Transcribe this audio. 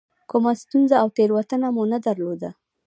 کومه ستونزه او تېروتنه مو نه درلوده.